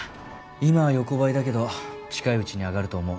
今は横ばいだけど近いうちに上がると思う。